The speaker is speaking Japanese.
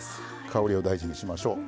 香りを大事にしましょう。